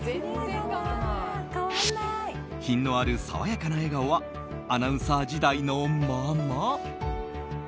品のある爽やかな笑顔はアナウンサー時代のまま。